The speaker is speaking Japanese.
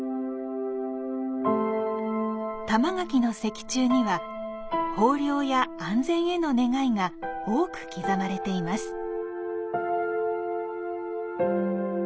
玉垣の石柱には豊漁や安全への願いが多く刻まれています。